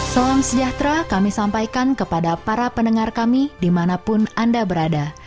salam sejahtera kami sampaikan kepada para pendengar kami dimanapun anda berada